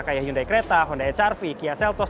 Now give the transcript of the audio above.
kayak hyundai creta honda hr v kia seltos